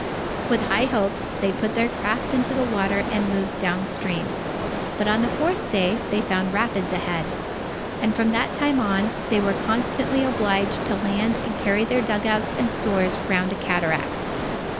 With high hopes, they put their craft into the water and moved down stream. But on the fourth day, they found rapids ahead. And from that time on, they were constantly obliged to land and carry their dugouts and stores round a cataract.